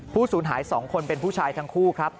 สูญหาย๒คนเป็นผู้ชายทั้งคู่ครับ